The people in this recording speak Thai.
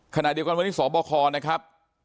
ขณะเดียวกันวันนี้สบคนะครับ